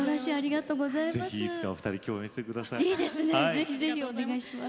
ぜひぜひお願いします。